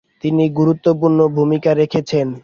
তিনি গুরুত্বপূর্ণ ভূমিকা রেখেছেন।